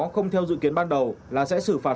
không theo dự kiến ban đầu là sẽ xử phạt